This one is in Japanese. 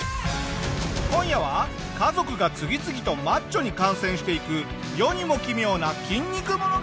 今夜は家族が次々とマッチョに感染していく世にも奇妙な筋肉物語！